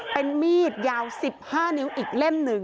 เป็นมีดยาว๑๕นิ้วอีกเล่ม๑